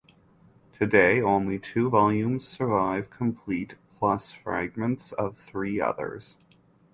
Today only two volumes survive complete plus fragments of three others.